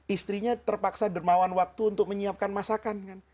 istrinya terpaksa dermawan waktu untuk menyiapkan masakan kan